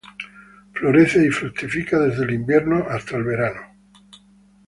Florece y fructifica desde el invierno y hasta el verano.